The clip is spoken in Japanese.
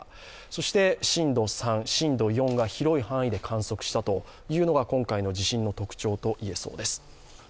そして震度３、震度４が広い範囲で観測したというのが今回の地震の特徴と言えそうです。